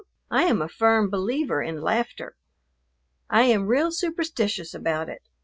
I am a firm believer in laughter. I am real superstitious about it.